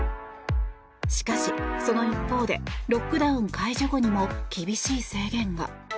しかし、その一方でロックダウン解除後にも厳しい制限が。